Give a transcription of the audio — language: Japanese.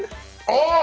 ああ！